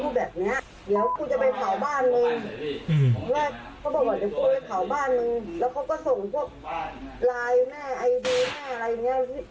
อ้มเขาบอกผมจะไปเผาบ้านมึงแล้วเขาก็ส่งกล้อไลน์แม่ไอดีแบบ